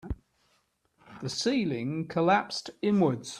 The ceiling collapsed inwards.